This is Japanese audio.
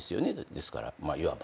ですからいわば。